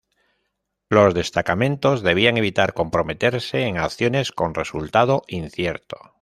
Los destacamentos debían evitar comprometerse en acciones con resultado incierto.